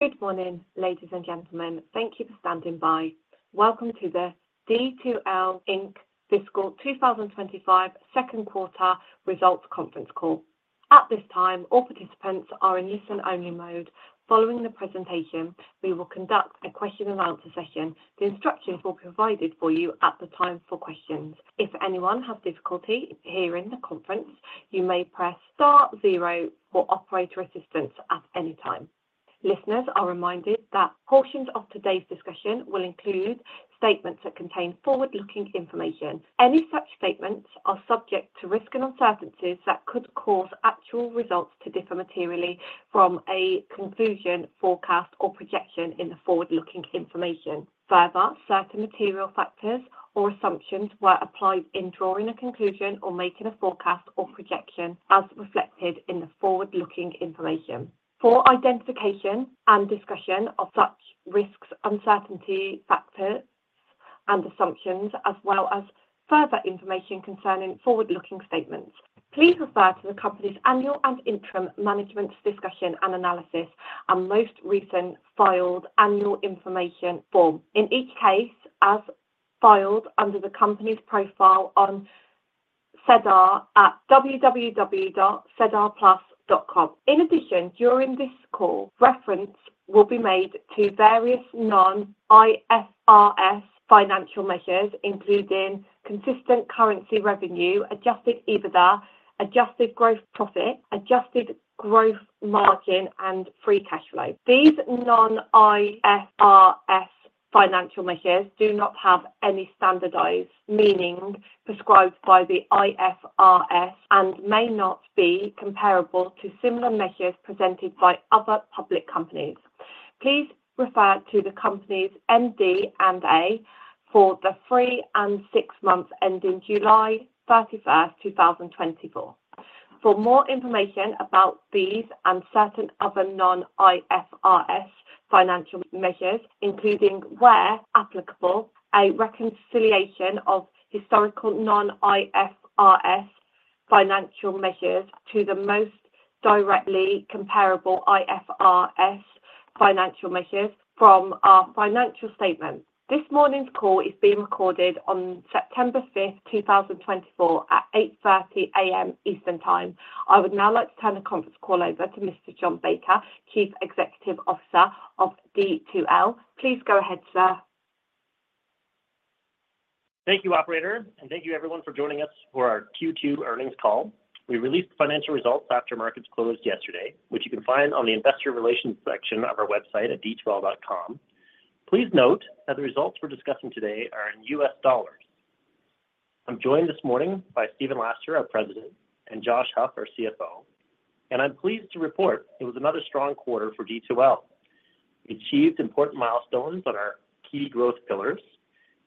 Good morning, ladies and gentlemen. Thank you for standing by. Welcome to the D2L Inc Fiscal 2025 Q2 Results Conference Call. At this time, all participants are in listen-only mode. Following the presentation, we will conduct a Q&A session. The instructions will be provided for you at the time for questions. If anyone has difficulty hearing the conference, you may press star zero for operator assistance at any time. Listeners are reminded that portions of today's discussion will include statements that contain forward-looking information. Any such statements are subject to risks and uncertainties that could cause actual results to differ materially from a conclusion, forecast, or projection in the forward-looking information. Further, certain material factors or assumptions were applied in drawing a conclusion or making a forecast or projection as reflected in the forward-looking information. For identification and discussion of such risks, uncertainty, factors, and assumptions, as well as further information concerning forward-looking statements, please refer to the company's annual and interim management's discussion and analysis and most recent filed annual information form, in each case, as filed under the company's profile on SEDAR at www.sedarplus.com. In addition, during this call, reference will be made to various non-IFRS financial measures, including constant currency revenue, adjusted EBITDA, adjusted gross profit, adjusted gross margin, and free cash flow. These non-IFRS financial measures do not have any standardized meaning prescribed by the IFRS and may not be comparable to similar measures presented by other public companies. Please refer to the company's MD&A for the three and six months ending July 31st, 2024. For more information about these and certain other non-IFRS financial measures, including, where applicable, a reconciliation of historical non-IFRS financial measures to the most directly comparable IFRS financial measures from our financial statements. This morning's call is being recorded on September 5th, 2024, at 8:30 A.M. Eastern Time. I would now like to turn the conference call over to Mr. John Baker, Chief Executive Officer of D2L. Please go ahead, sir. Thank you, operator, and thank you everyone for joining us for our Q2 earnings call. We released the financial results after markets closed yesterday, which you can find on the investor relations section of our website at d2l.com. Please note that the results we're discussing today are in US dollars. I'm joined this morning by Stephen Laster, our President, and Josh Haugh, our CFO, and I'm pleased to report it was another strong quarter for D2L. We achieved important milestones on our key growth pillars,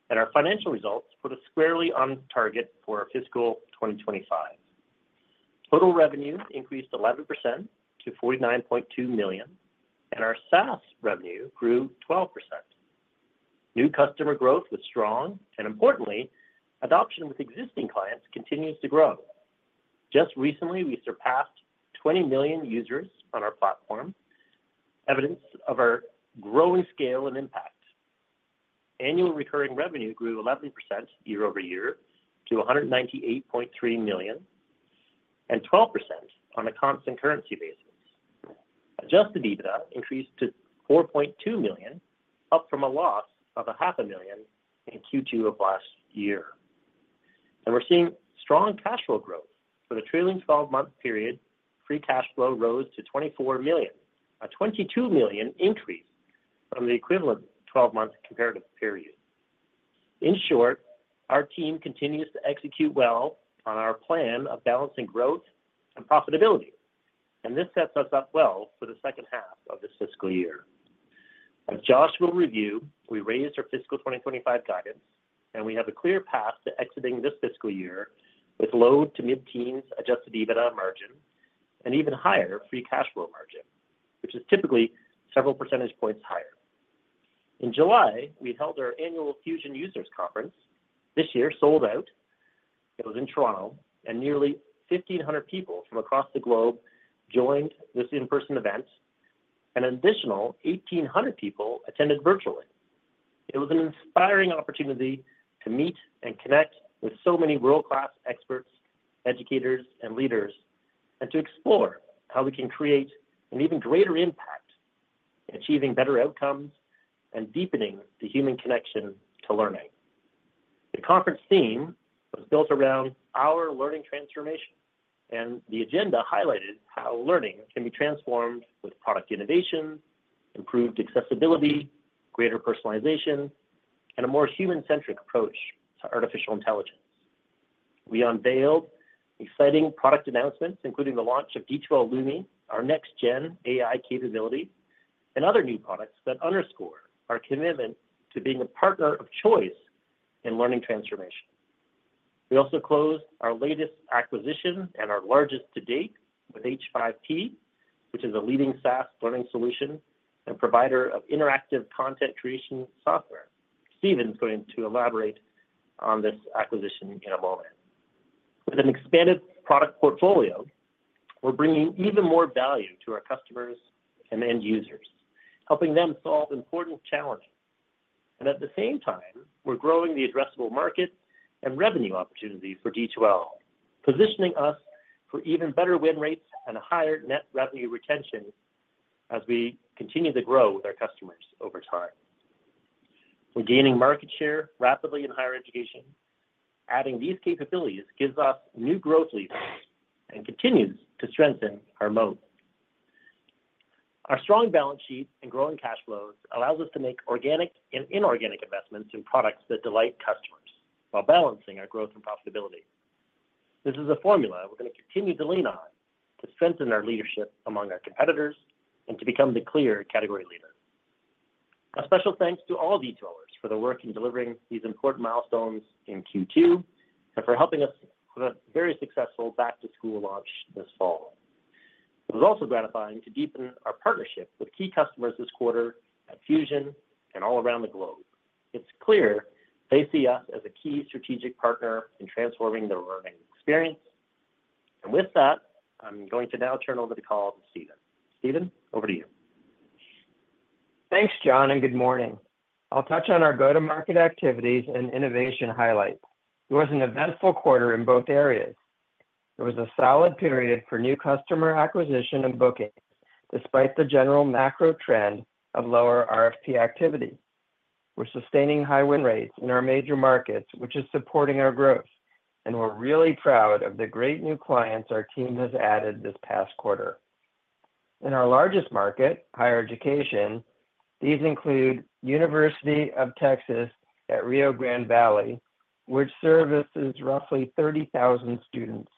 and our financial results put us squarely on target for fiscal 2025. Total revenue increased 11% to $49.2 million, and our SaaS revenue grew 12%. New customer growth was strong, and importantly, adoption with existing clients continues to grow. Just recently, we surpassed 20 million users on our platform, evidence of our growing scale and impact. Annual recurring revenue grew 11% year-over-year to $198.3 million and 12% on a constant currency basis. Adjusted EBITDA increased to $4.2 million, up from a loss of $0.5 million in Q2 of last year, and we're seeing strong cash flow growth. For the trailing twelve-month period, free cash flow rose to $24 million, a $22 million increase from the equivalent twelve-month comparative period. In short, our team continues to execute well on our plan of balancing growth and profitability, and this sets us up well for the second half of this fiscal year. As Josh will review, we raised our fiscal 2025 guidance, and we have a clear path to exiting this fiscal year with low to mid-teens adjusted EBITDA margin and even higher free cash flow margin, which is typically several percentage points higher. In July, we held our annual Fusion Users Conference. This year sold out. It was in Toronto, and nearly 1,500 people from across the globe joined this in-person event. An additional 1,800 people attended virtually. It was an inspiring opportunity to meet and connect with so many world-class experts, educators, and leaders, and to explore how we can create an even greater impact in achieving better outcomes and deepening the human connection to learning. The conference theme was built around our learning transformation, and the agenda highlighted how learning can be transformed with product innovation, improved accessibility, greater personalization, and a more human-centric approach to artificial intelligence. We unveiled exciting product announcements, including the launch of D2L Lumi, our next-gen AI capability, and other new products that underscore our commitment to being a partner of choice in learning transformation. We also closed our latest acquisition and our largest to date with H5P, which is a leading SaaS learning solution and provider of interactive content creation software. Stephen is going to elaborate on this acquisition in a moment. With an expanded product portfolio, we're bringing even more value to our customers and end users, helping them solve important challenges, and at the same time, we're growing the addressable market and revenue opportunities for D2L, positioning us for even better win rates and higher net revenue retention as we continue to grow with our customers over time. We're gaining market share rapidly in higher education. Adding these capabilities gives us new growth levers and continues to strengthen our moat. Our strong balance sheet and growing cash flows allows us to make organic and inorganic investments in products that delight customers, while balancing our growth and profitability. This is a formula we're gonna continue to lean on to strengthen our leadership among our competitors and to become the clear category leader. A special thanks to all D2Lers for their work in delivering these important milestones in Q2, and for helping us with a very successful back-to-school launch this fall. It was also gratifying to deepen our partnership with key customers this quarter at Fusion and all around the globe. It's clear they see us as a key strategic partner in transforming their learning experience. And with that, I'm going to now turn over the call to Stephen. Stephen, over to you. Thanks, John, and good morning. I'll touch on our go-to-market activities and innovation highlights. It was an eventful quarter in both areas. It was a solid period for new customer acquisition and bookings, despite the general macro trend of lower RFP activity. We're sustaining high win rates in our major markets, which is supporting our growth, and we're really proud of the great new clients our team has added this past quarter. In our largest market, higher education, these include University of Texas at Rio Grande Valley, which services roughly 30,000 students.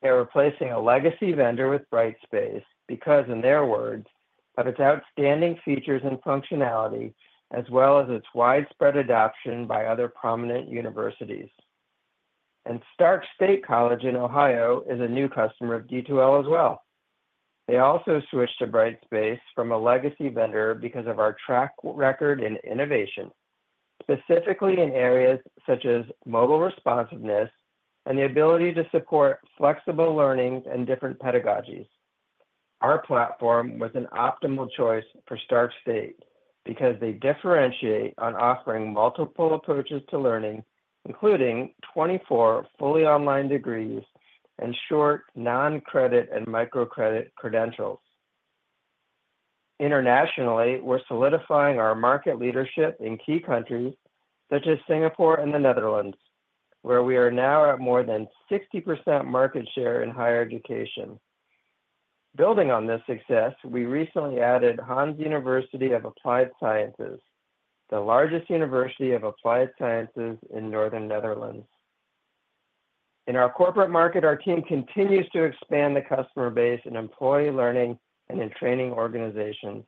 They're replacing a legacy vendor with Brightspace because, in their words, of its outstanding features and functionality, as well as its widespread adoption by other prominent universities, and Stark State College in Ohio is a new customer of D2L as well. They also switched to Brightspace from a legacy vendor because of our track record in innovation, specifically in areas such as mobile responsiveness and the ability to support flexible learning and different pedagogies. Our platform was an optimal choice for Stark State because they differentiate on offering multiple approaches to learning, including 24 fully online degrees and short non-credit and microcredit credentials. Internationally, we're solidifying our market leadership in key countries such as Singapore and the Netherlands, where we are now at more than 60% market share in higher education. Building on this success, we recently added Hanze University of Applied Sciences, the largest university of applied sciences in northern Netherlands. In our corporate market, our team continues to expand the customer base in employee learning and in training organizations.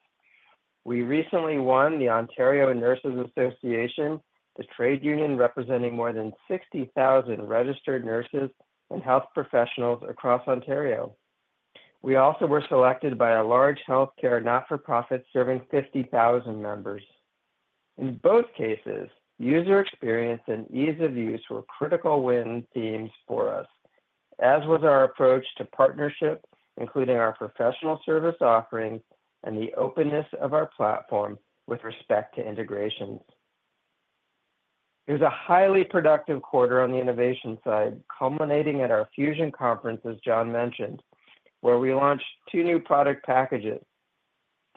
We recently won the Ontario Nurses' Association, the trade union representing more than 60,000 registered nurses and health professionals across Ontario. We also were selected by a large healthcare not-for-profit serving 50,000 members. In both cases, user experience and ease of use were critical win themes for us, as was our approach to partnership, including our professional service offerings and the openness of our platform with respect to integrations. It was a highly productive quarter on the innovation side, culminating at our Fusion conference, as John mentioned, where we launched two new product packages: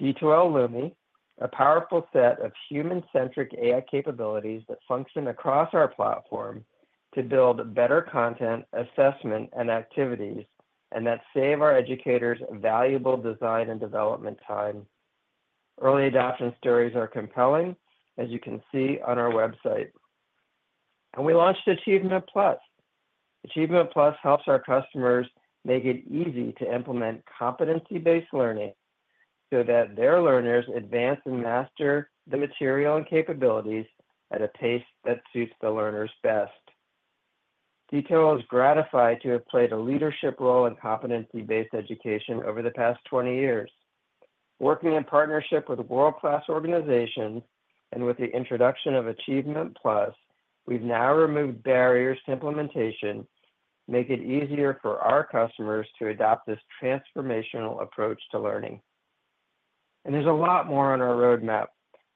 D2L Lumi, a powerful set of human-centric AI capabilities that function across our platform to build better content, assessment, and activities, and that save our educators valuable design and development time. Early adoption stories are compelling, as you can see on our website, and we launched Achievement+. chievement+ helps our customers make it easy to implement competency-based learning so that their learners advance and master the material and capabilities at a pace that suits the learners best. D2L is gratified to have played a leadership role in competency-based education over the past twenty years. Working in partnership with a world-class organization and with the introduction of chievement+, we've now removed barriers to implementation, make it easier for our customers to adopt this transformational approach to learning and there's a lot more on our roadmap.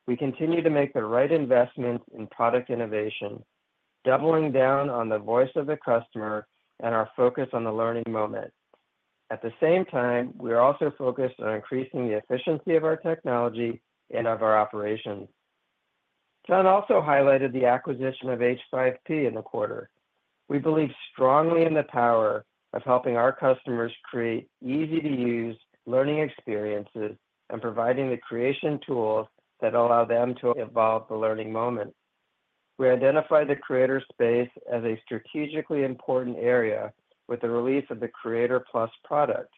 We continue to make the right investments in product innovation, doubling down on the voice of the customer and our focus on the learning moment. At the same time, we are also focused on increasing the efficiency of our technology and of our operations. John also highlighted the acquisition of H5P in the quarter. We believe strongly in the power of helping our customers create easy-to-use learning experiences and providing the creation tools that allow them to evolve the learning moment. We identified the creator space as a strategically important area with the release of the Creator+ product,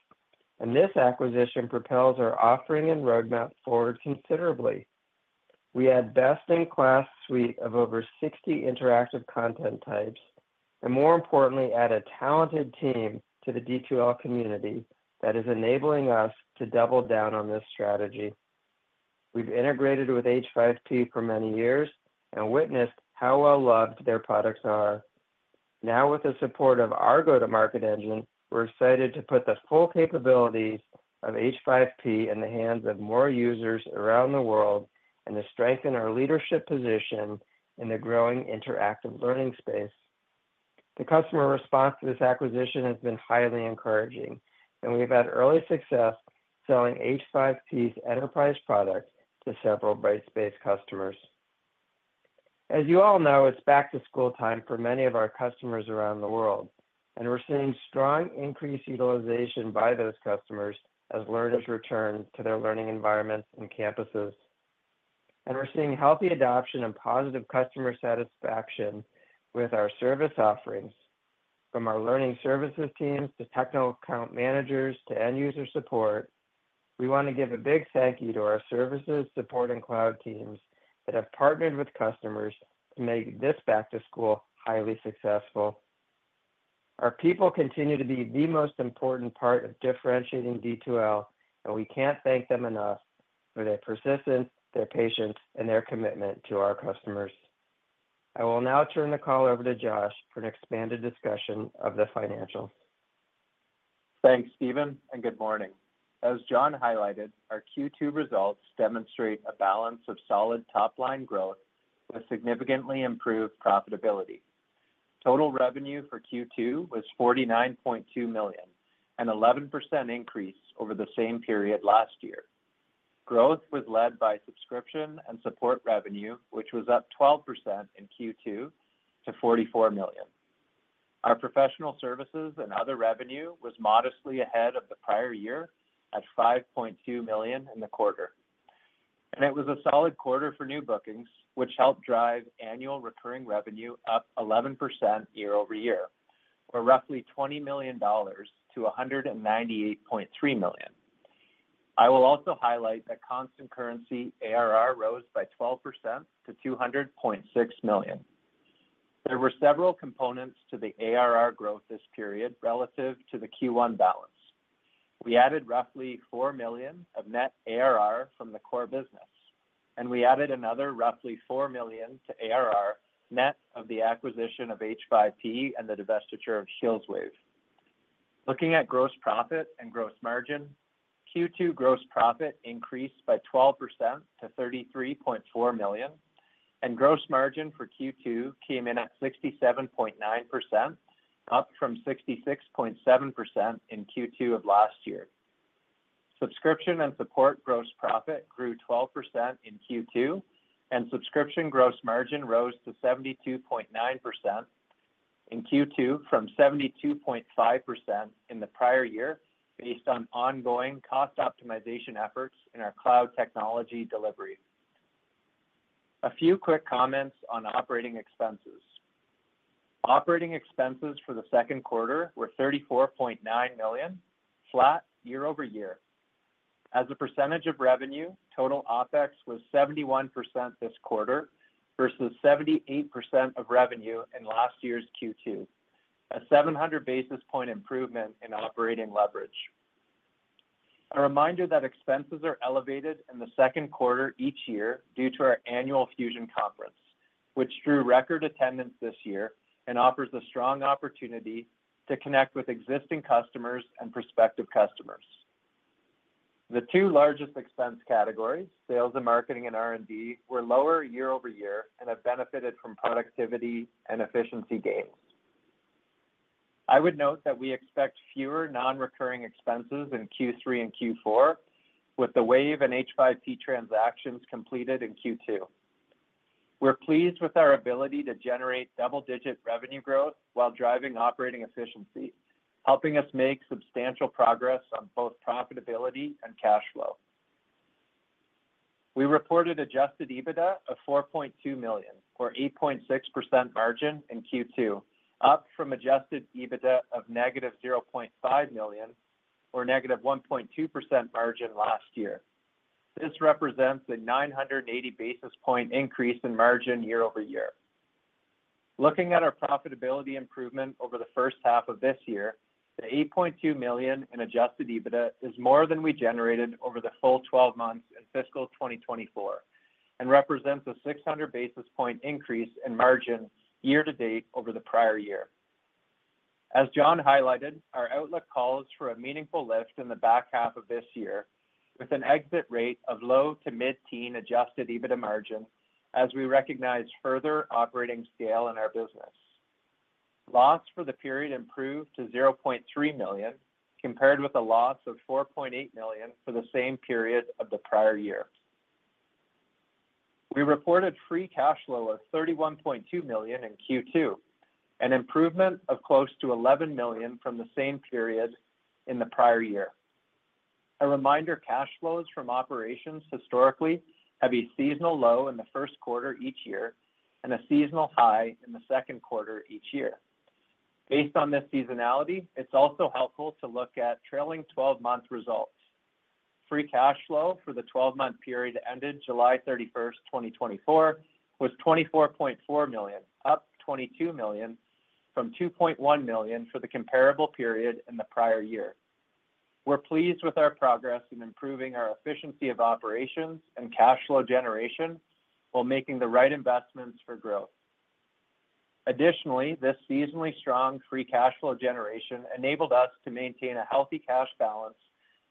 and this acquisition propels our offering and roadmap forward considerably. We add best-in-class suite of over sixty interactive content types, and more importantly, add a talented team to the D2L community that is enabling us to double down on this strategy.... We've integrated with H5P for many years and witnessed how well-loved their products are. Now, with the support of our go-to-market engine, we're excited to put the full capabilities of H5P in the hands of more users around the world, and to strengthen our leadership position in the growing interactive learning space. The customer response to this acquisition has been highly encouraging, and we've had early success selling H5P's enterprise product to several Brightspace customers. As you all know, it's back-to-school time for many of our customers around the world, and we're seeing strong increased utilization by those customers as learners return to their learning environments and campuses, and we're seeing healthy adoption and positive customer satisfaction with our service offerings, from our learning services teams to technical account managers to end-user support. We want to give a big thank you to our services, support, and cloud teams that have partnered with customers to make this back to school highly successful. Our people continue to be the most important part of differentiating D2L, and we can't thank them enough for their persistence, their patience, and their commitment to our customers. I will now turn the call over to Josh for an expanded discussion of the financials. Thanks, Stephen, and good morning. As John highlighted, our Q2 results demonstrate a balance of solid top-line growth with significantly improved profitability. Total revenue for Q2 was $49.2 million, an 11% increase over the same period last year. Growth was led by subscription and support revenue, which was up 12% in Q2 to $44 million. Our professional services and other revenue was modestly ahead of the prior year at $5.2 million in the quarter. And it was a solid quarter for new bookings, which helped drive annual recurring revenue up 11% year-over-year, or roughly $20 million to $198.3 million. I will also highlight that constant currency ARR rose by 12% to $200.6 million. There were several components to the ARR growth this period relative to the Q1 balance. We added roughly $4 million of net ARR from the core business, and we added another roughly $4 million to ARR, net of the acquisition of H5P and the divestiture of Wave. Looking at gross profit and gross margin, Q2 gross profit increased by 12% to $33.4 million, and gross margin for Q2 came in at 67.9%, up from 66.7% in Q2 of last year. Subscription and support gross profit grew 12% in Q2, and subscription gross margin rose to 72.9% in Q2 from 72.5% in the prior year, based on ongoing cost optimization efforts in our cloud technology delivery. A few quick comments on operating expenses. Operating expenses for the Q2 were $34.9 million, flat year over-year. As a percentage of revenue, total OpEx was 71% this quarter versus 78% of revenue in last year's Q2, a 700 basis point improvement in operating leverage. A reminder that expenses are elevated in the Q2 each year due to our annual Fusion conference, which drew record attendance this year and offers a strong opportunity to connect with existing customers and prospective customers. The two largest expense categories, sales and marketing and R&D, were lower year-over-year and have benefited from productivity and efficiency gains. I would note that we expect fewer non-recurring expenses in Q3 and Q4, with the Wave and H5P transactions completed in Q2. We're pleased with our ability to generate double-digit revenue growth while driving operating efficiency, helping us make substantial progress on both profitability and cash flow. We reported Adjusted EBITDA of $4.2 million, or 8.6% margin in Q2, up from Adjusted EBITDA of -$0.5 million or -1.2% margin last year. This represents a 980 basis points increase in margin year over-year. Looking at our profitability improvement over the first half of this year, the $8.2 million in Adjusted EBITDA is more than we generated over the full twelve months in fiscal 2024 and represents a 600 basis points increase in margin year to date over the prior year. As John highlighted, our outlook calls for a meaningful lift in the back half of this year, with an exit rate of low- to mid-teens Adjusted EBITDA margin as we recognize further operating scale in our business. Loss for the period improved to $0.3 million, compared with a loss of $4.8 million for the same period of the prior year. We reported free cash flow of $31.2 million in Q2, an improvement of close to $11 million from the same period in the prior year. A reminder, cash flows from operations historically have a seasonal low in the Q1 each year and a seasonal high in the Q2 each year. Based on this seasonality, it's also helpful to look at trailing twelve-month results. Free cash flow for the twelve-month period ended July 31st, 2024, was $24.4 million, up $22 million from $2.1 million for the comparable period in the prior year. We're pleased with our progress in improving our efficiency of operations and cash flow generation, while making the right investments for growth. Additionally, this seasonally strong free cash flow generation enabled us to maintain a healthy cash balance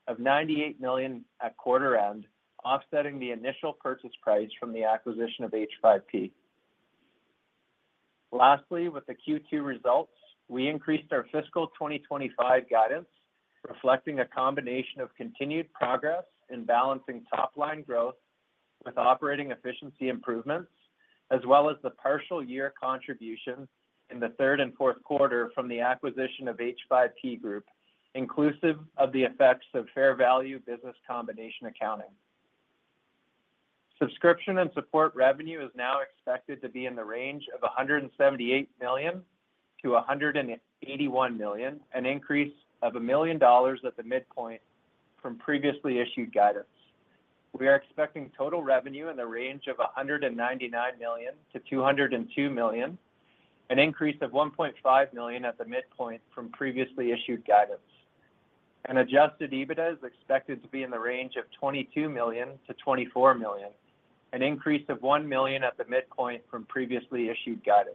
of $98 million at quarter end, offsetting the initial purchase price from the acquisition of H5P. Lastly, with the Q2 results, we increased our fiscal 2025 guidance, reflecting a combination of continued progress in balancing top-line growth with operating efficiency improvements, as well as the partial year contribution in the third and Q4 from the acquisition of H5P Group, inclusive of the effects of fair value business combination accounting. Subscription and support revenue is now expected to be in the range of $178 million to 181 million, an increase of $1 million at the midpoint from previously issued guidance. We are expecting total revenue in the range of $199 million to 202 million, an increase of $1.5 million at the midpoint from previously issued guidance. And Adjusted EBITDA is expected to be in the range of $22 million to 24 million, an increase of $1 million at the midpoint from previously issued guidance.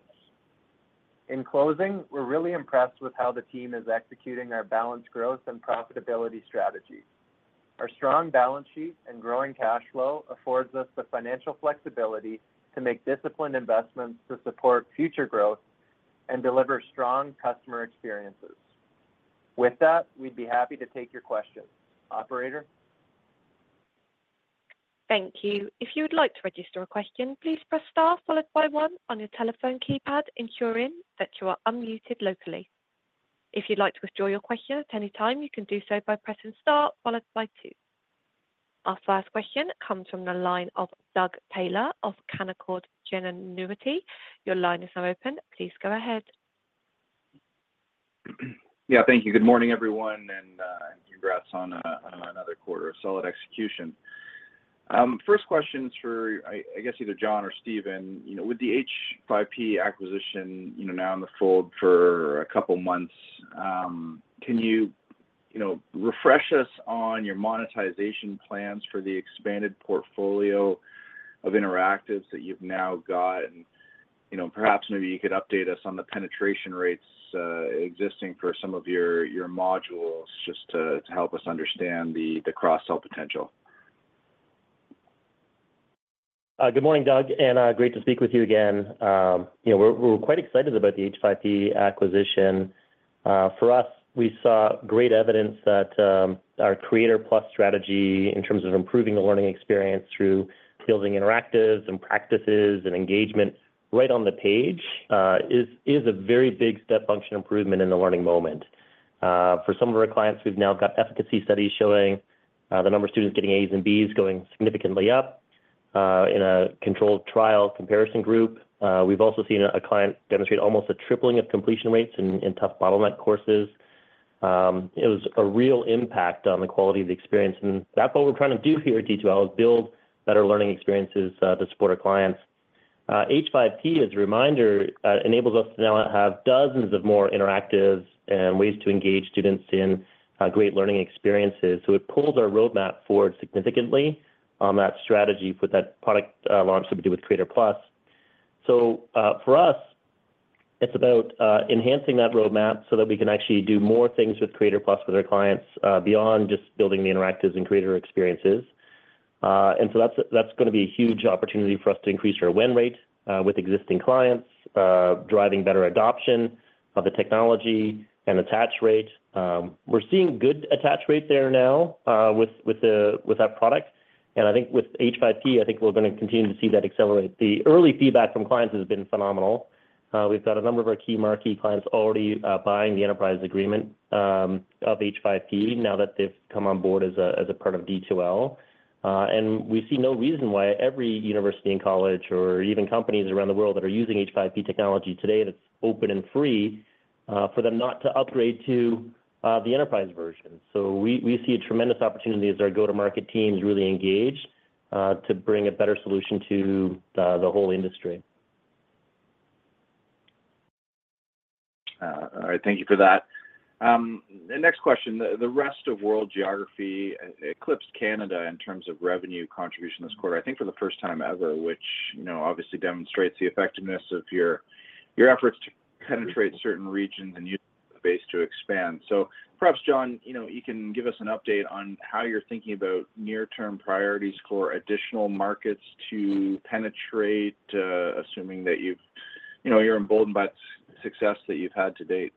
In closing, we're really impressed with how the team is executing our balanced growth and profitability strategy. Our strong balance sheet and growing cash flow affords us the financial flexibility to make disciplined investments to support future growth and deliver strong customer experiences. With that, we'd be happy to take your questions. Operator? Thank you. If you would like to register a question, please press star followed by one on your telephone keypad, ensuring that you are unmuted locally. If you'd like to withdraw your question at any time, you can do so by pressing star followed by two. Our first question comes from the line of Doug Taylor of Canaccord Genuity. Your line is now open. Please go ahead. Yeah, thank you. Good morning, everyone, and congrats on another quarter of solid execution. First question is for, I guess either John or Stephen. You know, with the H5P acquisition, you know, now in the fold for a couple months, can you, you know, refresh us on your monetization plans for the expanded portfolio of interactives that you've now got? And, you know, perhaps maybe you could update us on the penetration rates existing for some of your modules, just to help us understand the cross-sell potential. Good morning, Doug, and great to speak with you again. You know, we're quite excited about the H5P acquisition. For us, we saw great evidence that our Creator Plus strategy, in terms of improving the learning experience through building interactives and practices and engagement right on the page, is a very big step function improvement in the learning moment. For some of our clients, we've now got efficacy studies showing the number of students getting A's and B's going significantly up in a controlled trial comparison group. We've also seen a client demonstrate almost a tripling of completion rates in tough bottleneck courses. It was a real impact on the quality of the experience, and that's what we're trying to do here at D2L, is build better learning experiences to support our clients. H5P, as a reminder, enables us to now have dozens of more interactives and ways to engage students in great learning experiences. So it pulls our roadmap forward significantly on that strategy with that product launch that we do with Creator Plus, so for us, it's about enhancing that roadmap so that we can actually do more things with Creator Plus with our clients beyond just building the interactives and creator experiences, and so that's gonna be a huge opportunity for us to increase our win rate with existing clients driving better adoption of the technology and attach rate. We're seeing good attach rate there now with that product, and I think with H5P, I think we're gonna continue to see that accelerate. The early feedback from clients has been phenomenal. We've got a number of our key marquee clients already buying the enterprise agreement of H5P now that they've come on board as a part of D2L, and we see no reason why every university and college or even companies around the world that are using H5P technology today, and it's open and free for them not to upgrade to the enterprise version. So we see a tremendous opportunity as our go-to-market teams really engage to bring a better solution to the whole industry. All right. Thank you for that. The next question, the rest of world geography eclipsed Canada in terms of revenue contribution this quarter, I think for the first time ever, which, you know, obviously demonstrates the effectiveness of your efforts to penetrate certain regions and use the base to expand. So perhaps, John, you know, you can give us an update on how you're thinking about near-term priorities for additional markets to penetrate, assuming that you know, you're emboldened by the success that you've had to date.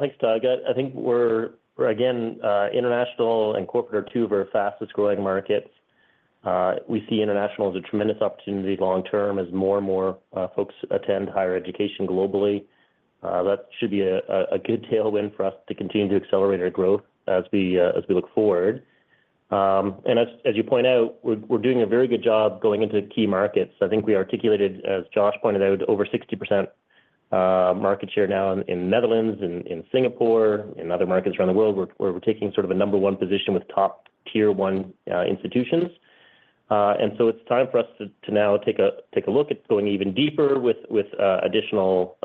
Thanks, Doug. I think we're, again, international and corporate are two of our fastest-growing markets. We see international as a tremendous opportunity long term as more and more folks attend higher education globally. That should be a good tailwind for us to continue to accelerate our growth as we look forward. And as you point out, we're doing a very good job going into key markets. I think we articulated, as Josh pointed out, over 60% market share now in Netherlands, in Singapore, in other markets around the world, where we're taking sort of a number one position with top tier one institutions. And so it's time for us to now take a look at going even deeper with additional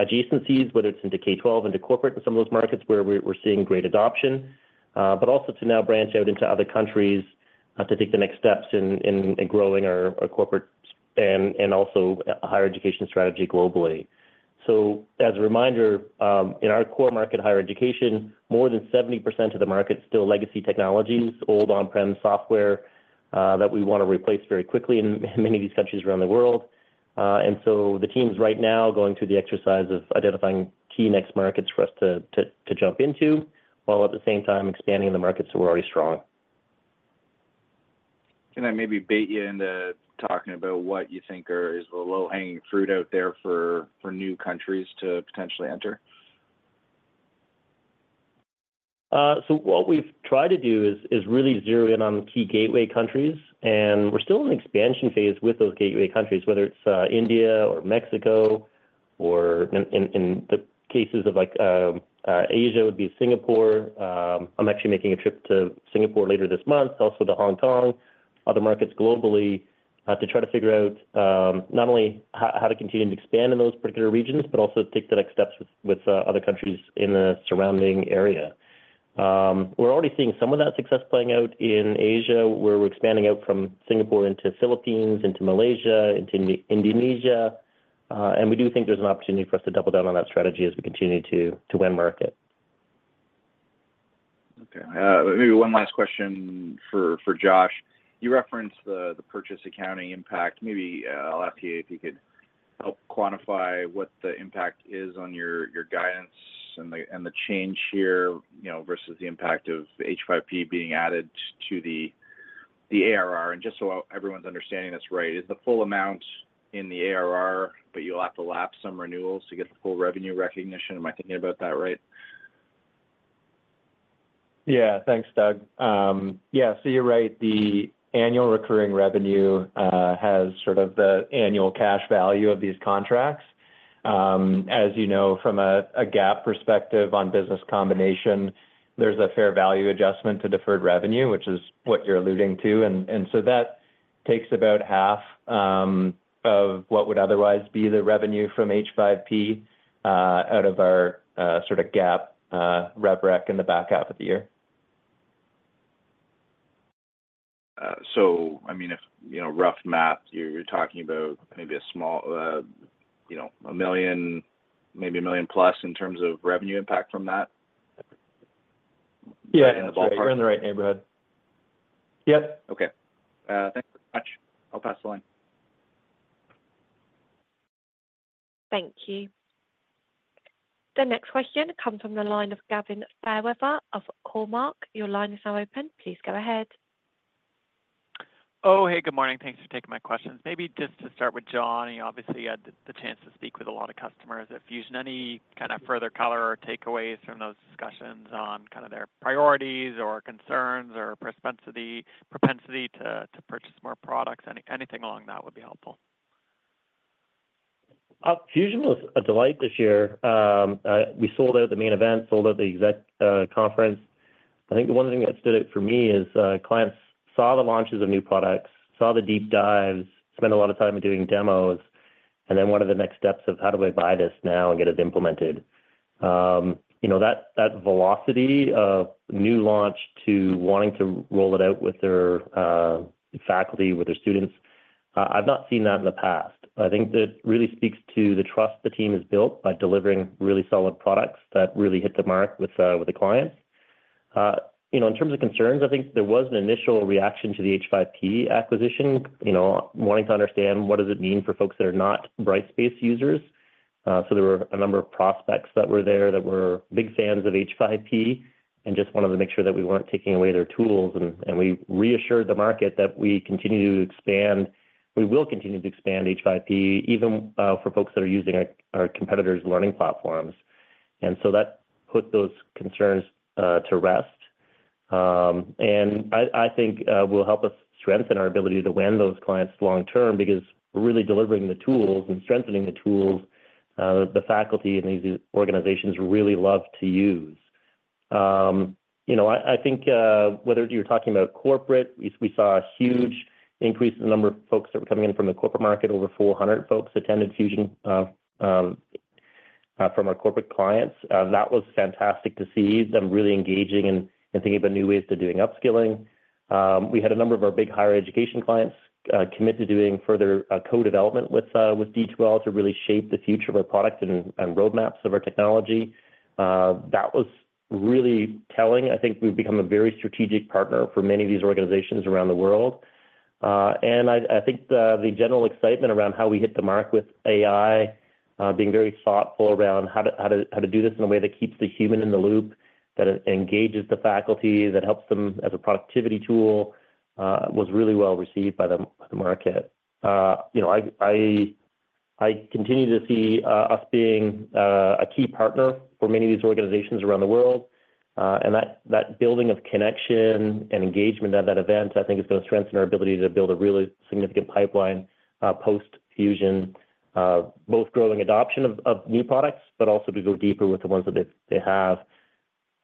adjacencies, whether it's into K-12, into corporate, and some of those markets where we're seeing great adoption. But also to now branch out into other countries to take the next steps in growing our corporate and also higher education strategy globally. So as a reminder, in our core market, higher education, more than 70% of the market is still legacy technologies, old on-prem software that we want to replace very quickly in many of these countries around the world. And so the team's right now going through the exercise of identifying key next markets for us to jump into, while at the same time expanding in the markets that we're already strong. Can I maybe bait you into talking about what you think is the low-hanging fruit out there for new countries to potentially enter? So what we've tried to do is really zero in on the key gateway countries, and we're still in expansion phase with those gateway countries, whether it's India or Mexico, or in the cases of like Asia, would be Singapore. I'm actually making a trip to Singapore later this month, also to Hong Kong, other markets globally, to try to figure out not only how to continue to expand in those particular regions, but also take the next steps with other countries in the surrounding area. We're already seeing some of that success playing out in Asia, where we're expanding out from Singapore into Philippines, into Malaysia, into Indonesia. And we do think there's an opportunity for us to double down on that strategy as we continue to win market. Okay. Maybe one last question for Josh. You referenced the purchase accounting impact. Maybe I'll ask you if you could help quantify what the impact is on your guidance and the change here, you know, versus the impact of H5P being added to the ARR. And just so everyone's understanding this right, is the full amount in the ARR, but you'll have to lap some renewals to get the full revenue recognition? Am I thinking about that right? Yeah. Thanks, Doug. Yeah, so you're right. The annual recurring revenue has sort of the annual cash value of these contracts. As you know, from a GAAP perspective on business combination, there's a fair value adjustment to deferred revenue, which is what you're alluding to. And so that takes about half of what would otherwise be the revenue from H5P out of our sort of GAAP rev rec in the back half of the year. So I mean, if you know, rough math, you're talking about maybe a small, you know, $1 million, maybe $1 million plus in terms of revenue impact from that? Yeah, you're in the right neighborhood. Yep. Okay. Thanks so much. I'll pass the line. Thank you. The next question comes from the line of Gavin Fairweather of Cormark. Your line is now open. Please go ahead. Oh, hey, good morning. Thanks for taking my questions. Maybe just to start with John, you obviously had the chance to speak with a lot of customers. If you've any kind of further color or takeaways from those discussions on kind of their priorities, or concerns, or propensity to purchase more products, anything along that would be helpful. Fusion was a delight this year. We sold out the main event, sold out the exec conference. I think the one thing that stood out for me is, clients saw the launches of new products, saw the deep dives, spent a lot of time doing demos, and then what are the next steps of how do I buy this now and get it implemented? You know, that velocity of new launch to wanting to roll it out with their faculty, with their students, I've not seen that in the past. I think that really speaks to the trust the team has built by delivering really solid products that really hit the mark with the clients. You know, in terms of concerns, I think there was an initial reaction to the H5P acquisition, you know, wanting to understand what does it mean for folks that are not Brightspace users. So there were a number of prospects that were there that were big fans of H5P, and just wanted to make sure that we weren't taking away their tools, and we reassured the market that we will continue to expand H5P, even for folks that are using our competitors' learning platforms. And so that put those concerns to rest. And I think will help us strengthen our ability to win those clients long term, because we're really delivering the tools and strengthening the tools, the faculty and these organizations really love to use. You know, I think whether you're talking about corporate, we saw a huge increase in the number of folks that were coming in from the corporate market. Over 400 folks attended Fusion from our corporate clients. That was fantastic to see them really engaging and thinking about new ways to doing upskilling. We had a number of our big higher education clients commit to doing further co-development with D2L to really shape the future of our products and roadmaps of our technology. That was really telling. I think we've become a very strategic partner for many of these organizations around the world. And I think the general excitement around how we hit the mark with AI, being very thoughtful around how to do this in a way that keeps the human in the loop, that engages the faculty, that helps them as a productivity tool, was really well received by the market. You know, I continue to see us being a key partner for many of these organizations around the world. And that building of connection and engagement at that event, I think, is going to strengthen our ability to build a really significant pipeline post-Fusion, both growing adoption of new products, but also to go deeper with the ones that they have.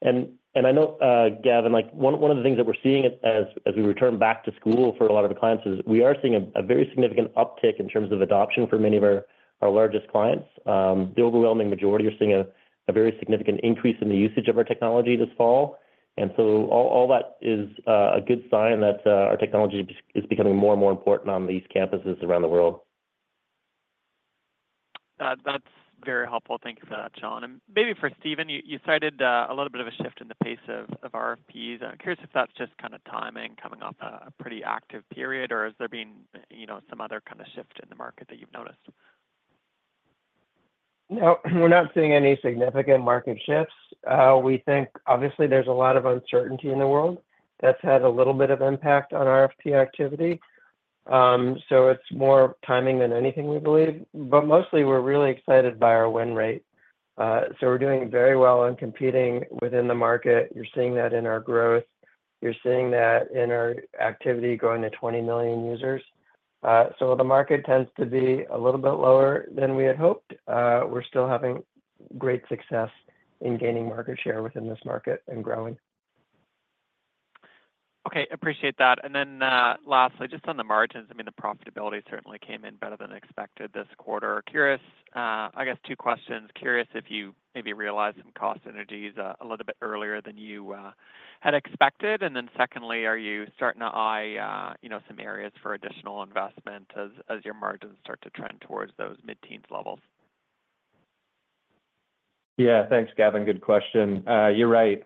I know, Gavin, like, one of the things that we're seeing as we return back to school for a lot of the clients is we are seeing a very significant uptick in terms of adoption for many of our largest clients. The overwhelming majority are seeing a very significant increase in the usage of our technology this fall. And so all that is a good sign that our technology is becoming more and more important on these campuses around the world. That's very helpful. Thanks for that, Sean. And maybe for Stephen, you cited a little bit of a shift in the pace of RFPs. I'm curious if that's just kind of timing coming off a pretty active period, or has there been, you know, some other kind of shift in the market that you've noticed? No, we're not seeing any significant market shifts. We think obviously there's a lot of uncertainty in the world. That's had a little bit of impact on RFP activity. So it's more timing than anything we believe, but mostly we're really excited by our win rate. So we're doing very well in competing within the market. You're seeing that in our growth. You're seeing that in our activity growing to 20 million users. So the market tends to be a little bit lower than we had hoped. We're still having great success in gaining market share within this market and growing. Okay, appreciate that. And then, lastly, just on the margins, I mean, the profitability certainly came in better than expected this quarter. Curious, I guess two questions. Curious if you maybe realized some cost synergies a little bit earlier than you had expected. And then secondly, are you starting to eye, you know, some areas for additional investment as your margins start to trend towards those mid-teens levels? Yeah, thanks, Gavin. Good question. You're right.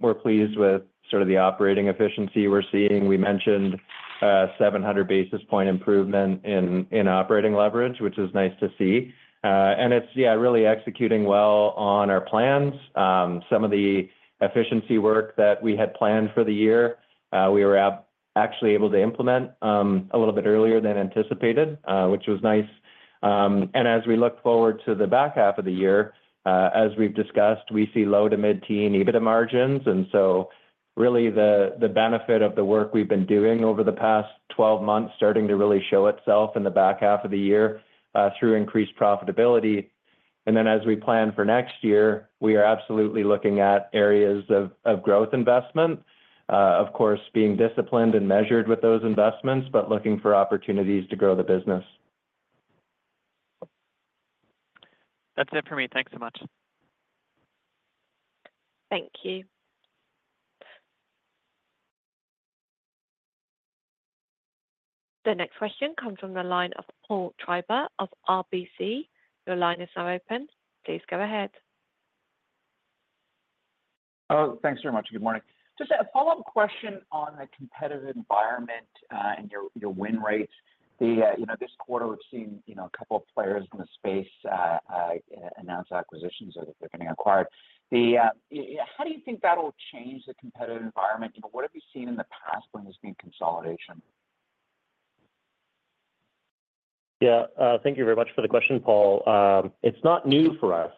We're pleased with sort of the operating efficiency we're seeing. We mentioned, 700 basis point improvement in operating leverage, which is nice to see. And it's, yeah, really executing well on our plans. Some of the efficiency work that we had planned for the year, we were actually able to implement, a little bit earlier than anticipated, which was nice. And as we look forward to the back half of the year, as we've discussed, we see low to mid-teen EBITDA margins, and so really the benefit of the work we've been doing over the past 12 months starting to really show itself in the back half of the year, through increased profitability. And then as we plan for next year, we are absolutely looking at areas of growth investment. Of course, being disciplined and measured with those investments, but looking for opportunities to grow the business. That's it for me. Thanks so much. Thank you. The next question comes from the line of Paul Treiber of RBC. Your line is now open. Please go ahead. Oh, thanks very much. Good morning. Just a follow-up question on the competitive environment and your win rates. You know, this quarter, we've seen, you know, a couple of players in the space announce acquisitions, or they're getting acquired. How do you think that'll change the competitive environment? You know, what have you seen in the past when there's been consolidation? Yeah, thank you very much for the question, Paul. It's not new for us.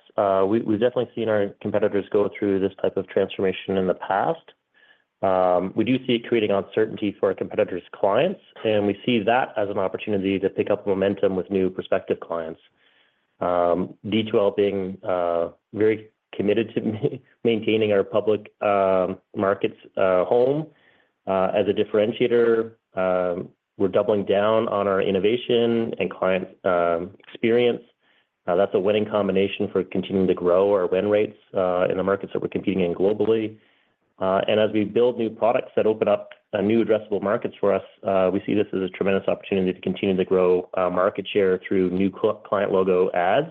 We've definitely seen our competitors go through this type of transformation in the past. We do see it creating uncertainty for our competitors' clients, and we see that as an opportunity to pick up momentum with new prospective clients. D2L being very committed to maintaining our public markets home as a differentiator, we're doubling down on our innovation and client experience. That's a winning combination for continuing to grow our win rates in the markets that we're competing in globally. And as we build new products that open up new addressable markets for us, we see this as a tremendous opportunity to continue to grow market share through new client logo adds,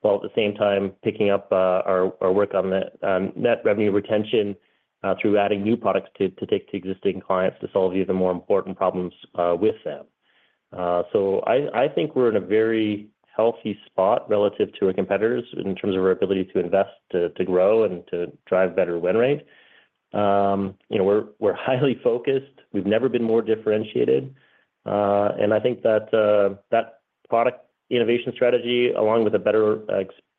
while at the same time picking up our work on the net revenue retention through adding new products to take to existing clients to solve even more important problems with them. So I think we're in a very healthy spot relative to our competitors in terms of our ability to invest, to grow, and to drive better win rate. You know, we're highly focused. We've never been more differentiated. And I think that product innovation strategy, along with a better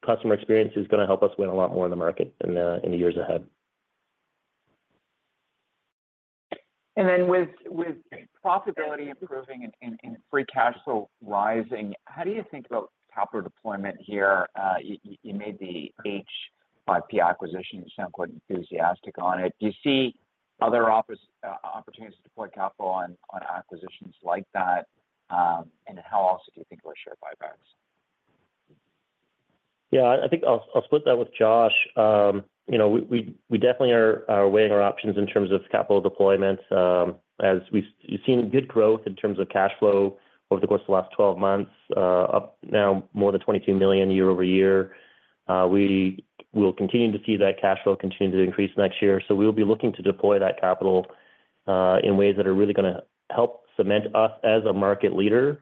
customer experience, is gonna help us win a lot more in the market in the years ahead. And then with profitability improving and free cash flow rising, how do you think about capital deployment here? You made the H5P acquisition. You sound quite enthusiastic on it. Do you see other opportunities to deploy capital on acquisitions like that? And how else do you think about share buybacks? Yeah, I think I'll split that with Josh. You know, we definitely are weighing our options in terms of capital deployment. As we've seen good growth in terms of cash flow over the course of the last 12 months, up now more than $22 million year-over-year. We will continue to see that cash flow continue to increase next year. So we'll be looking to deploy that capital, in ways that are really gonna help cement us as a market leader,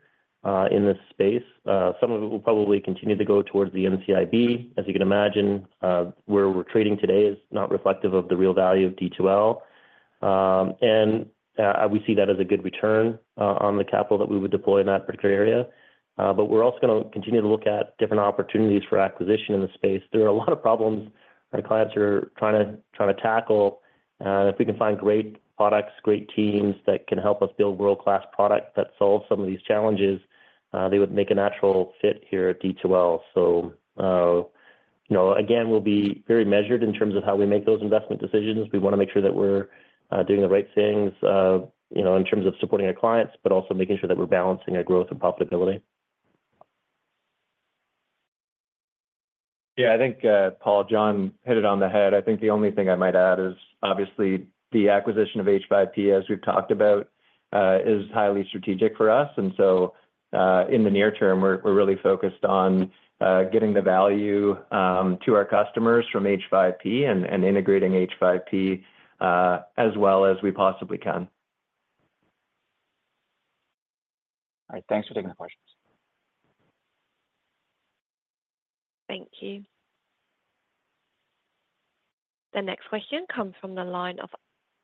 in this space. Some of it will probably continue to go towards the NCIB. As you can imagine, where we're trading today is not reflective of the real value of D2L, and we see that as a good return, on the capital that we would deploy in that particular area. But we're also gonna continue to look at different opportunities for acquisition in the space. There are a lot of problems our clients are trying to tackle. If we can find great products, great teams that can help us build world-class product that solve some of these challenges, they would make a natural fit here at D2L. So, you know, again, we'll be very measured in terms of how we make those investment decisions. We wanna make sure that we're doing the right things, you know, in terms of supporting our clients, but also making sure that we're balancing our growth and profitability. Yeah. I think, Paul, John hit it on the head. I think the only thing I might add is, obviously, the acquisition of H5P, as we've talked about, is highly strategic for us, and so in the near term, we're really focused on getting the value to our customers from H5P and integrating H5P as well as we possibly can. All right. Thanks for taking the questions. Thank you. The next question comes from the line of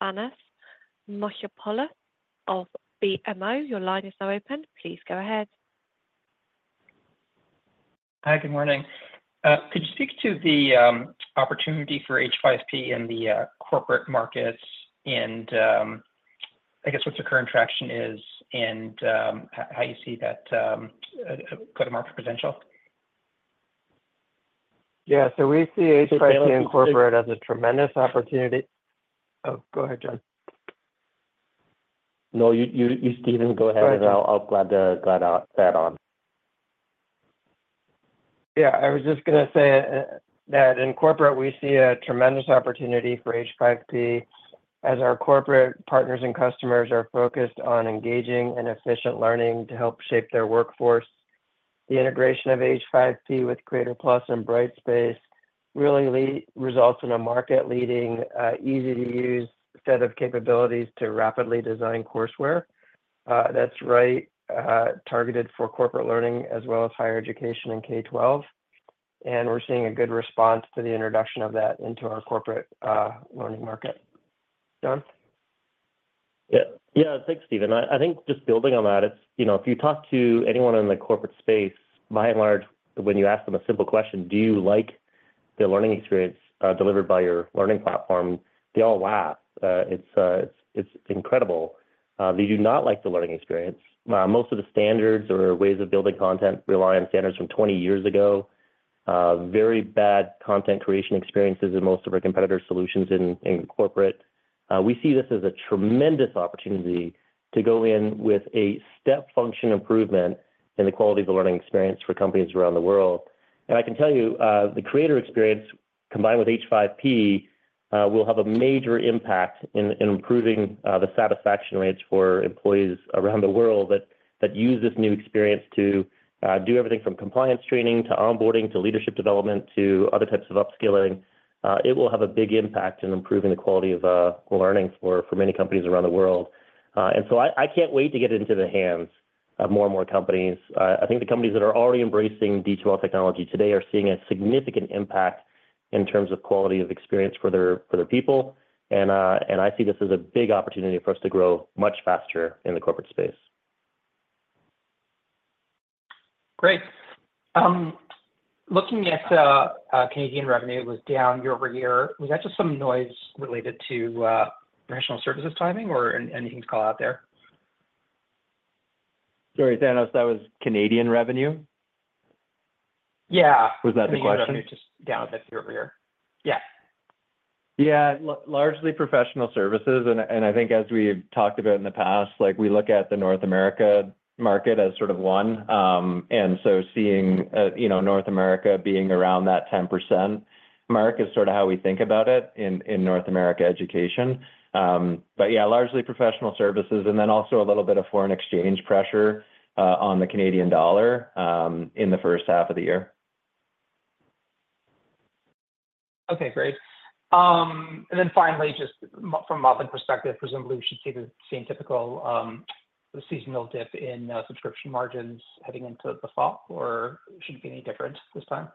Thanos Moschopoulos of BMO. Your line is now open. Please go ahead. Hi, good morning. Could you speak to the opportunity for H5P in the corporate markets and, I guess, what's the current traction is, and how you see that go-to-market potential? Yeah, so we see H5P corporate as a tremendous opportunity... Oh, go ahead, John. No, you, Stephen, go ahead, and I'll be glad to add to that one. Yeah, I was just gonna say that in corporate, we see a tremendous opportunity for H5P, as our corporate partners and customers are focused on engaging in efficient learning to help shape their workforce. The integration of H5P with Creator+ and Brightspace really results in a market-leading, easy-to-use set of capabilities to rapidly design courseware, that's right, targeted for corporate learning as well as higher education and K-twelve. And we're seeing a good response to the introduction of that into our corporate learning market. John? Yeah. Yeah, thanks, Stephen. I think just building on that, it's, you know, if you talk to anyone in the corporate space, by and large, when you ask them a simple question: Do you like the learning experience delivered by your learning platform? They all laugh. It's incredible. They do not like the learning experience. Most of the standards or ways of building content rely on standards from twenty years ago. Very bad content creation experiences in most of our competitor solutions in corporate. We see this as a tremendous opportunity to go in with a step function improvement in the quality of the learning experience for companies around the world. And I can tell you, the creator experience, combined with H5P, will have a major impact in improving the satisfaction rates for employees around the world that use this new experience to do everything from compliance training to onboarding, to leadership development, to other types of upskilling. It will have a big impact in improving the quality of learning for many companies around the world. And so I can't wait to get it into the hands of more and more companies. I think the companies that are already embracing D2L technology today are seeing a significant impact in terms of quality of experience for their people. And I see this as a big opportunity for us to grow much faster in the corporate space. Great. Looking at Canadian revenue was down year-over-year. Was that just some noise related to professional services timing or anything to call out there? Sorry, Thanos, that was Canadian revenue? Yeah. Was that the question? Just down a bit year-over-year. Yeah. Yeah, largely professional services, and I think as we've talked about in the past, like, we look at the North America market as sort of one, and so seeing, you know, North America being around that 10% mark is sort of how we think about it in North America education. But yeah, largely professional services, and then also a little bit of foreign exchange pressure on the Canadian dollar in the first half of the year. Okay, great. And then finally, just from a model perspective, presumably, we should see the same typical seasonal dip in subscription margins heading into the fall, or should it be any different this time?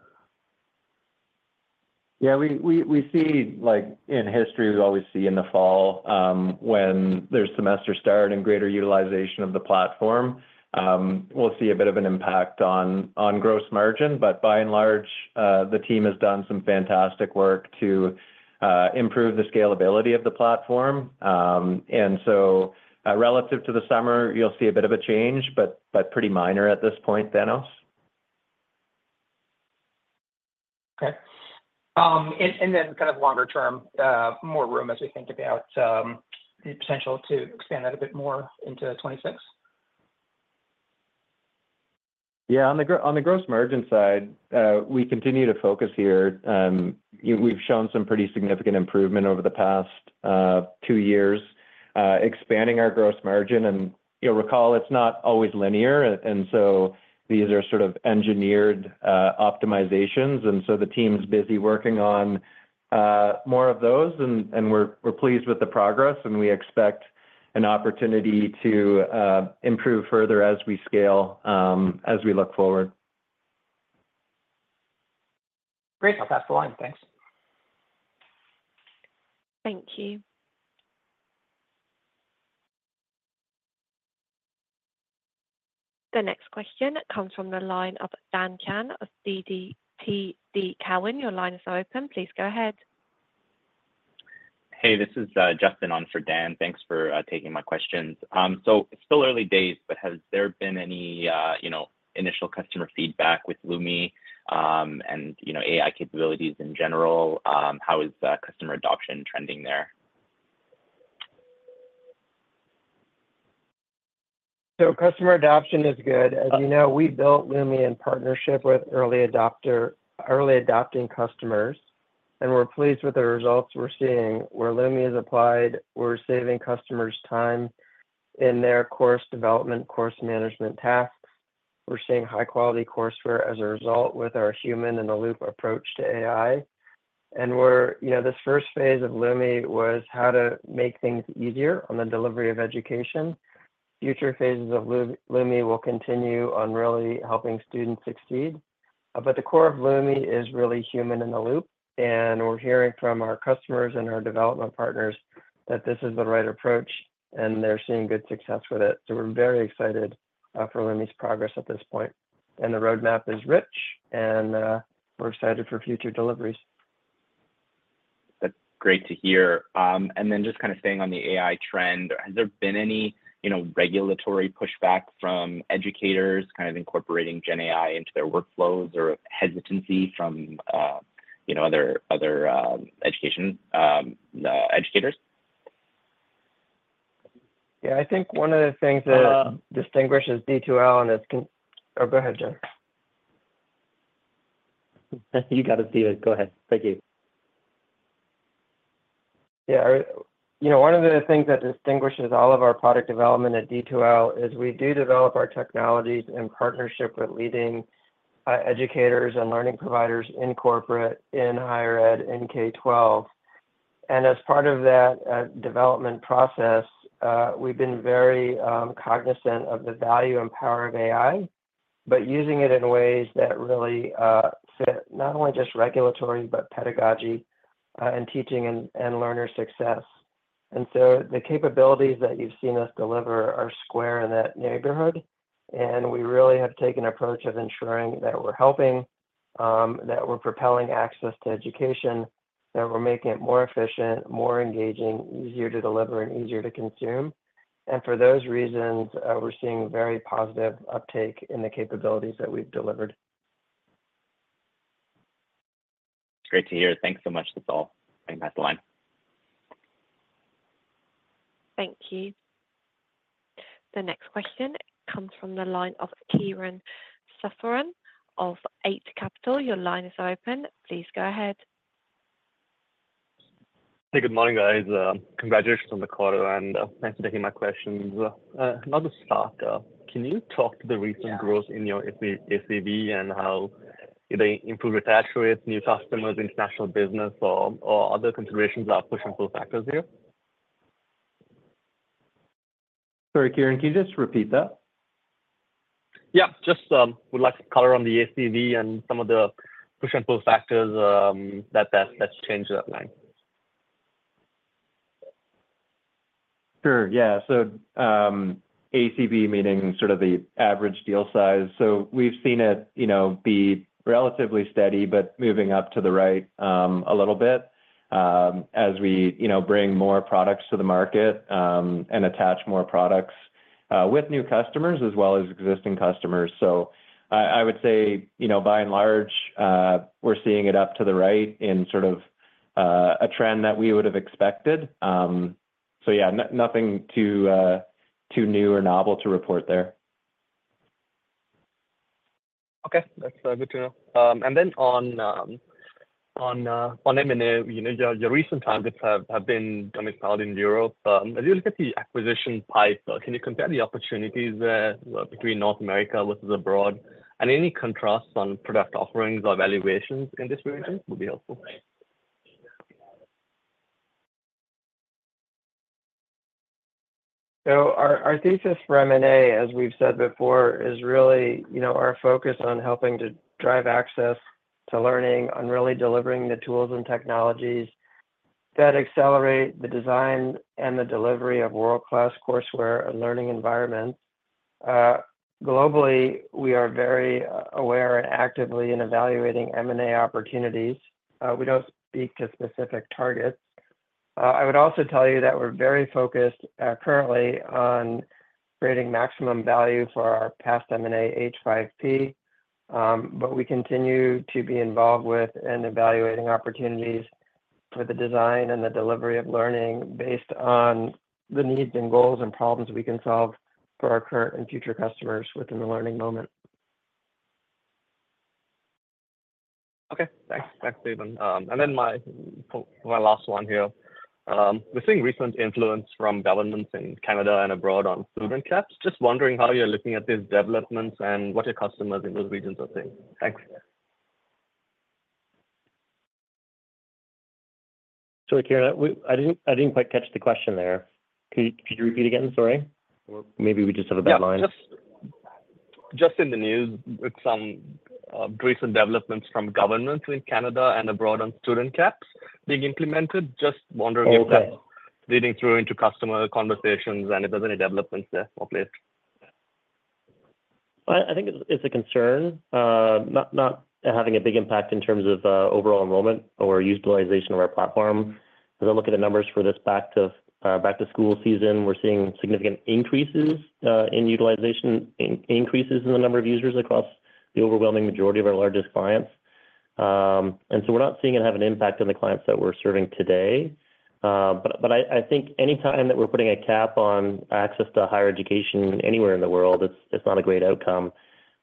Yeah, we see, like in history, we always see in the fall, when there's semester start and greater utilization of the platform, we'll see a bit of an impact on gross margin. But by and large, the team has done some fantastic work to improve the scalability of the platform. And so, relative to the summer, you'll see a bit of a change, but pretty minor at this point, Thanos. Okay, and then kind of longer term, more room as we think about the potential to expand that a bit more into 2026? Yeah. On the gross margin side, we continue to focus here. We've shown some pretty significant improvement over the past two years, expanding our gross margin, and you'll recall, it's not always linear, and so these are sort of engineered optimizations, and so the team is busy working on more of those, and we're pleased with the progress, and we expect an opportunity to improve further as we scale, as we look forward. Great, I'll pass the line. Thanks. Thank you. The next question comes from the line of Dan Chan of TD Cowen. Your line is now open. Please go ahead. Hey, this is Justin on for Dan. Thanks for taking my questions. So it's still early days, but has there been any you know initial customer feedback with Lumi and you know AI capabilities in general? How is customer adoption trending there? So customer adoption is good. As you know, we built Lumi in partnership with early adopting customers, and we're pleased with the results we're seeing. Where Lumi is applied, we're saving customers time in their course development, course management tasks. We're seeing high-quality courseware as a result with our human-in-the-loop approach to AI. And we're. You know, this first phase of Lumi was how to make things easier on the delivery of education. Future phases of Lumi will continue on really helping students succeed. But the core of Lumi is really human in the loop, and we're hearing from our customers and our development partners that this is the right approach, and they're seeing good success with it. So we're very excited for Lumi's progress at this point. And the roadmap is rich, and we're excited for future deliveries. That's great to hear. And then just kind of staying on the AI trend, has there been any, you know, regulatory pushback from educators kind of incorporating GenAI into their workflows or hesitancy from, you know, other educators? Yeah, I think one of the things that distinguishes D2L. Oh, go ahead, Justin. You got it, Stephen. Go ahead. Thank you. Yeah, you know, one of the things that distinguishes all of our product development at D2L is we do develop our technologies in partnership with leading educators and learning providers in corporate, in higher ed, in K-12. And as part of that development process, we've been very cognizant of the value and power of AI, but using it in ways that really fit not only just regulatory, but pedagogy and teaching and learner success. And so the capabilities that you've seen us deliver are square in that neighborhood, and we really have taken an approach of ensuring that we're helping that we're propelling access to education, that we're making it more efficient, more engaging, easier to deliver, and easier to consume. And for those reasons, we're seeing very positive uptake in the capabilities that we've delivered. It's great to hear. Thanks so much. That's all. I pass the line. Thank you. The next question comes from the line of Kieran Suffern of Eight Capital. Your line is open. Please go ahead. Hey, good morning, guys. Congratulations on the quarter, and thanks for taking my questions. Another starter, can you talk to the recent growth in your ACV and how they improve attach rates, new customers, international business, or other considerations are push and pull factors here? Sorry, Kieran, can you just repeat that? Yeah, just would like to color on the ACV and some of the push and pull factors that that's changed that line. Sure. Yeah. So, ACV meaning sort of the average deal size. So we've seen it, you know, be relatively steady, but moving up to the right, a little bit, as we, you know, bring more products to the market, and attach more products, with new customers as well as existing customers. So I would say, you know, by and large, we're seeing it up to the right in sort of, a trend that we would have expected. So yeah, nothing too new or novel to report there. Okay. That's good to know. And then on M&A, you know, your recent targets have been predominantly in Europe. As you look at the acquisition pipeline, can you compare the opportunities between North America versus abroad, and any contrasts on product offerings or valuations in this region would be helpful? So our thesis for M&A, as we've said before, is really, you know, our focus on helping to drive access to learning, on really delivering the tools and technologies that accelerate the design and the delivery of world-class courseware and learning environments. Globally, we are very aware and actively in evaluating M&A opportunities. We don't speak to specific targets. I would also tell you that we're very focused, currently on creating maximum value for our past M&A, H5P. But we continue to be involved with and evaluating opportunities for the design and the delivery of learning based on the needs and goals and problems we can solve for our current and future customers within the learning moment. Okay, thanks. Thanks, Stephen. For my last one here, we're seeing recent influence from governments in Canada and abroad on student caps. Just wondering how you're looking at these developments and what your customers in those regions are saying? Thanks. Sorry, Kieran, we didn't quite catch the question there. Could you repeat again, sorry? Or maybe we just have a bad line. Yeah, just in the news, with some recent developments from governments in Canada and abroad on student caps being implemented, just wondering- Okay if that's leading through into customer conversations, and if there's any developments there or place? Well, I think it's a concern, not having a big impact in terms of overall enrollment or utilization of our platform. As I look at the numbers for this back to school season, we're seeing significant increases in utilization, increases in the number of users across the overwhelming majority of our largest clients. And so we're not seeing it have an impact on the clients that we're serving today. But I think anytime that we're putting a cap on access to higher education anywhere in the world, it's not a great outcome.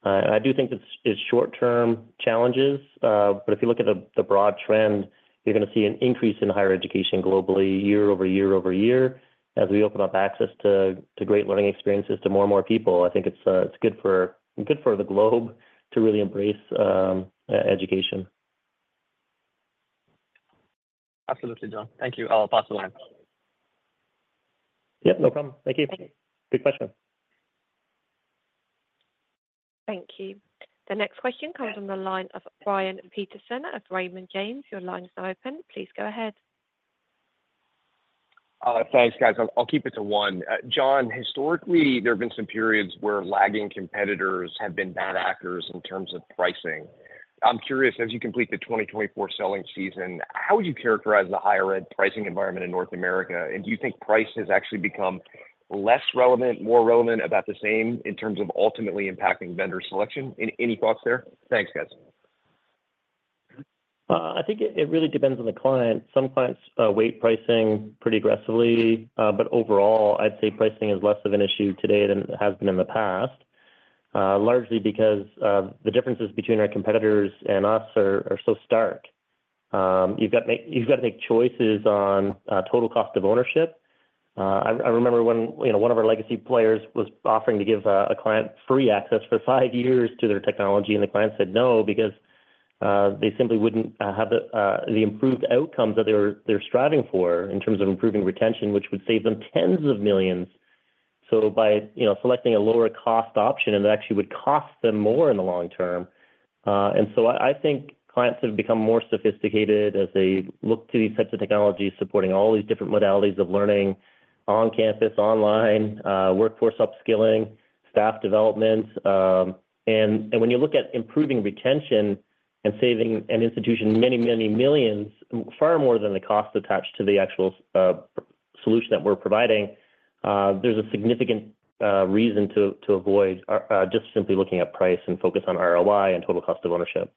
I do think it's short-term challenges, but if you look at the broad trend, you're going to see an increase in higher education globally, year-over-year, as we open up access to great learning experiences to more and more people. I think it's good for the globe to really embrace education. Absolutely, John. Thank you. I'll pass the line. Yep, no problem. Thank you. Good question. Thank you. The next question comes from the line of Brian Peterson of Raymond James. Your line is now open. Please go ahead. Thanks, guys. I'll keep it to one. John, historically, there have been some periods where lagging competitors have been bad actors in terms of pricing. I'm curious, as you complete the 2024 selling season, how would you characterize the higher ED pricing environment in North America? And do you think price has actually become less relevant, more relevant, about the same, in terms of ultimately impacting vendor selection? Any thoughts there? Thanks, guys. I think it really depends on the client. Some clients weigh pricing pretty aggressively, but overall, I'd say pricing is less of an issue today than it has been in the past, largely because the differences between our competitors and us are so stark. You've got to make choices on total cost of ownership. I remember when, you know, one of our legacy players was offering to give a client free access for five years to their technology, and the client said no because they simply wouldn't have the improved outcomes that they're striving for in terms of improving retention, which would save them tens of millions. So by, you know, selecting a lower cost option, and it actually would cost them more in the long term. And so I think clients have become more sophisticated as they look to these types of technologies supporting all these different modalities of learning on campus, online, workforce upskilling, staff development, and when you look at improving retention and saving an institution many, many millions, far more than the cost attached to the actual solution that we're providing, there's a significant reason to avoid just simply looking at price and focus on ROI and total cost of ownership.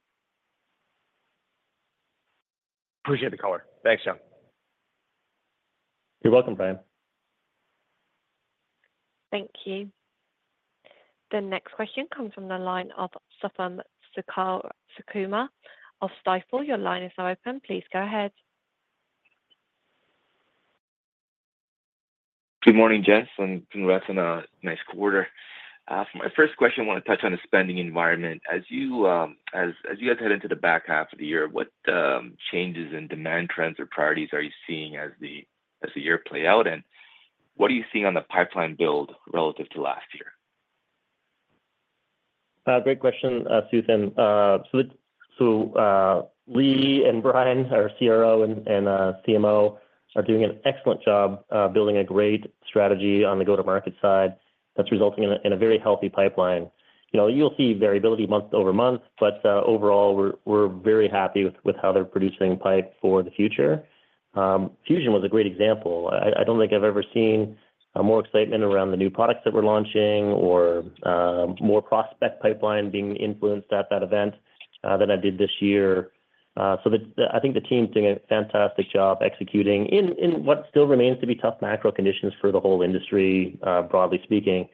Appreciate the call. Thanks, John. You're welcome, Brian. Thank you. The next question comes from the line of Suthan Sukumar of Stifel. Your line is now open. Please go ahead. Good morning, gents, and congrats on a nice quarter. For my first question, I want to touch on the spending environment. As you guys head into the back half of the year, what changes in demand trends or priorities are you seeing as the year plays out, and what are you seeing on the pipeline build relative to last year? Great question, Suthan. Lee and Brian, our CRO and CMO, are doing an excellent job building a great strategy on the go-to-market side that's resulting in a very healthy pipeline. You know, you'll see variability month over month, but overall, we're very happy with how they're producing pipe for the future. Fusion was a great example. I don't think I've ever seen more excitement around the new products that we're launching or more prospect pipeline being influenced at that event than I did this year. I think the team's doing a fantastic job executing in what still remains to be tough macro conditions for the whole industry, broadly speaking.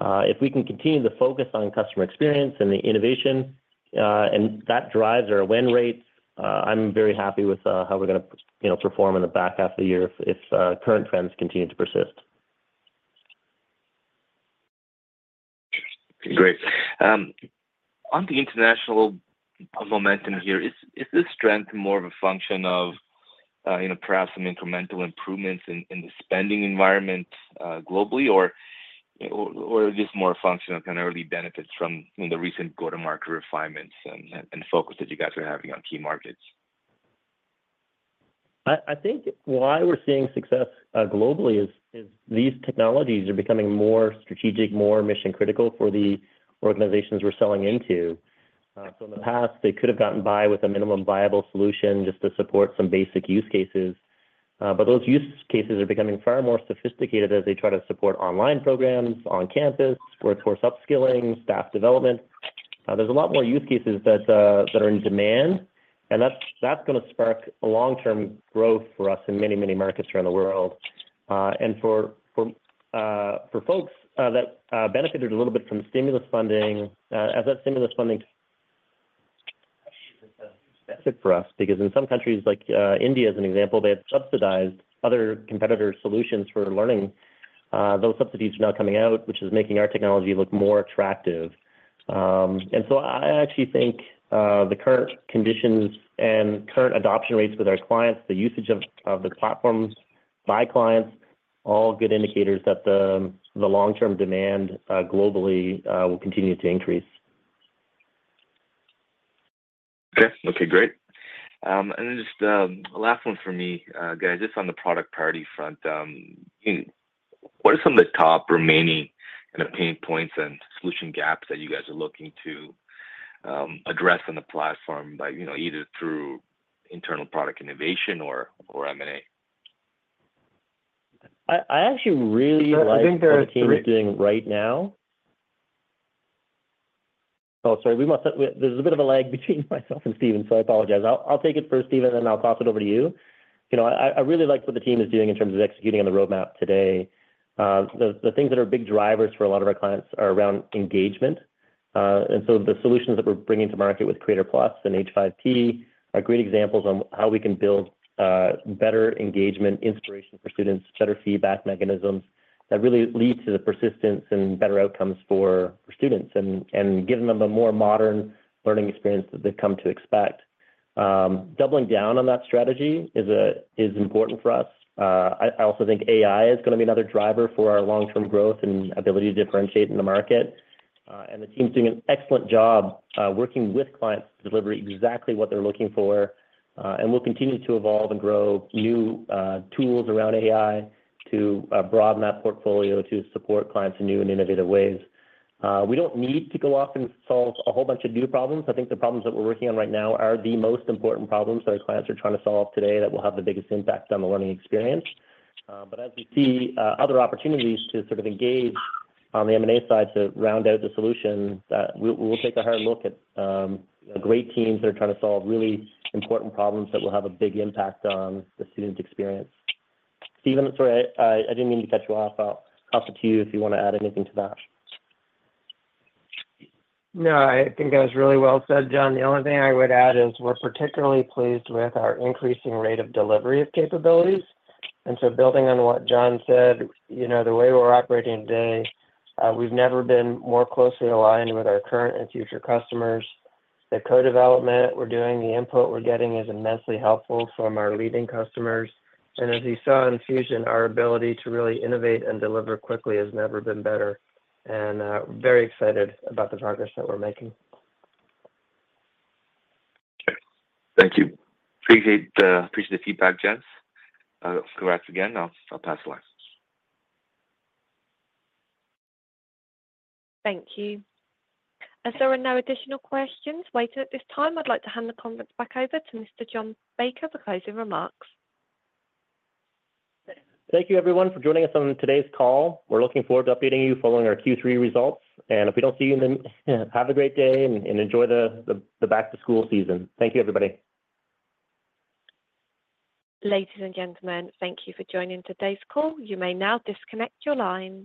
If we can continue to focus on customer experience and the innovation, and that drives our win rate, I'm very happy with how we're going to, you know, perform in the back half of the year if current trends continue to persist. Great. On the international momentum here, is this strength more of a function of, you know, perhaps some incremental improvements in the spending environment, globally, or just more a function of kind of early benefits from, you know, the recent go-to-market refinements and focus that you guys are having on key markets? I think why we're seeing success globally is these technologies are becoming more strategic, more mission-critical for the organizations we're selling into. So in the past, they could have gotten by with a minimum viable solution just to support some basic use cases. But those use cases are becoming far more sophisticated as they try to support online programs, on campus, workforce upskilling, staff development. There's a lot more use cases that are in demand, and that's going to spark a long-term growth for us in many, many markets around the world. And for folks that benefited a little bit from stimulus funding, as that stimulus funding it's best for us because in some countries, like India, as an example, they had subsidized other competitor solutions for learning. Those subsidies are now coming out, which is making our technology look more attractive. And so I actually think the current conditions and current adoption rates with our clients, the usage of the platforms by clients, all good indicators that the long-term demand globally will continue to increase. Okay. Okay, great. And just, last one for me, guys, just on the product priority front, what are some of the top remaining kind of pain points and solution gaps that you guys are looking to address on the platform by, you know, either through internal product innovation or M&A? I actually really like- I think there are three- What the team is doing right now. Oh, sorry, we must have. There's a bit of a lag between myself and Stephen, so I apologize. I'll take it first, Stephen, and then I'll toss it over to you. You know, I really like what the team is doing in terms of executing on the roadmap today. The things that are big drivers for a lot of our clients are around engagement. And so the solutions that we're bringing to market with Creator+ and H5P are great examples on how we can build better engagement, inspiration for students, better feedback mechanisms that really lead to the persistence and better outcomes for students, and giving them a more modern learning experience that they've come to expect. Doubling down on that strategy is important for us. I also think AI is gonna be another driver for our long-term growth and ability to differentiate in the market, and the team's doing an excellent job, working with clients to deliver exactly what they're looking for, and we'll continue to evolve and grow new tools around AI to broaden that portfolio to support clients in new and innovative ways. We don't need to go off and solve a whole bunch of new problems. I think the problems that we're working on right now are the most important problems that our clients are trying to solve today that will have the biggest impact on the learning experience. But as we see other opportunities to sort of engage on the M&A side to round out the solution, we'll take a hard look at great teams that are trying to solve really important problems that will have a big impact on the student experience. Stephen, sorry, I didn't mean to cut you off. I'll pass it to you if you want to add anything to that. No, I think that was really well said, John. The only thing I would add is we're particularly pleased with our increasing rate of delivery of capabilities. And so building on what John said, you know, the way we're operating today, we've never been more closely aligned with our current and future customers. The co-development we're doing, the input we're getting is immensely helpful from our leading customers. And as you saw in Fusion, our ability to really innovate and deliver quickly has never been better, and very excited about the progress that we're making. Okay. Thank you. Appreciate the feedback, gents. Congrats again. I'll pass the line. Thank you. As there are no additional questions later at this time, I'd like to hand the conference back over to Mr. John Baker for closing remarks. Thank you, everyone, for joining us on today's call. We're looking forward to updating you following our Q3 results, and if we don't see you, then have a great day and enjoy the back-to-school season. Thank you, everybody. Ladies and gentlemen, thank you for joining today's call. You may now disconnect your lines.